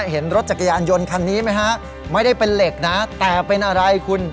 เห็นรถจักรยานยนต์คันนี้ไหมฮะไม่ได้เป็นเหล็กนะแต่เป็นอะไรคุณ